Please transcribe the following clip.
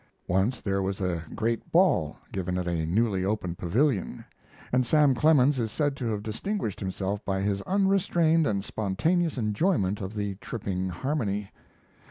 Once there was a great ball given at a newly opened pavilion, and Sam Clemens is said to have distinguished himself by his unrestrained and spontaneous enjoyment of the tripping harmony.